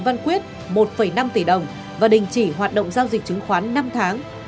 văn quyết một năm tỷ đồng và đình chỉ hoạt động giao dịch chứng khoán năm tháng